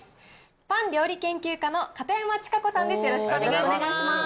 パン料理研究家の片山智香子さんです。